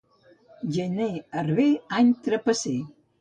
Gener herber, any trapasser.